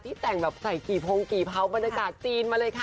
ที่แต่งแบบใส่กี่พงกี่เภาพาได้จ้ะจีนมาเลยค่ะ